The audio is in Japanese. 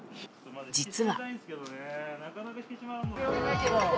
実は。